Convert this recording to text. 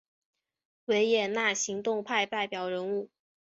维也纳行动派代表人物。